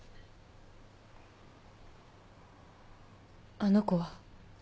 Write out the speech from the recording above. あの子は？